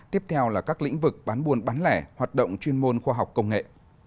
tiếp theo là các lĩnh vực bán buôn bán lẻ hoạt động chuyên môn khoa học công nghệ